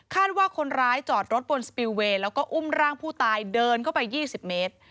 ว่าคนร้ายจอดรถบนสปิลเวย์แล้วก็อุ้มร่างผู้ตายเดินเข้าไป๒๐เมตร